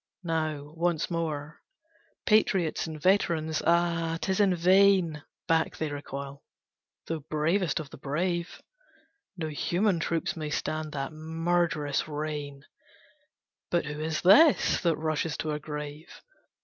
Now, once more, Patriots and veterans! Ah! 'Tis in vain! Back they recoil, though bravest of the brave; No human troops may stand that murderous rain; But who is this that rushes to a grave?